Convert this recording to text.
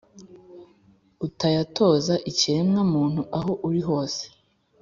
ukayatoza ikiremwa-muntu aho uli hose